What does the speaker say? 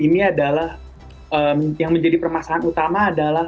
yang menjadi permasalahan utama adalah yang menjadi permasalahan utama adalah